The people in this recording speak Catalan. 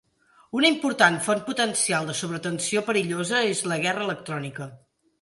Una important font potencial de sobretensió perillosa és la guerra electrònica.